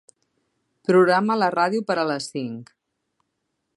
Programa la ràdio per a les cinc.